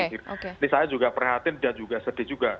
ini saya juga perhatian dan juga sedih juga